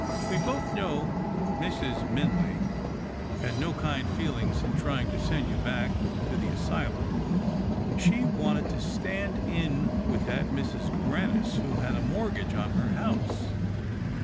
We both know Mrs. Minley had no kind feeHngs in trying to send you back to the asylum. She wanted to stand in with that Mrs. Grannis who had a mortgage on her house.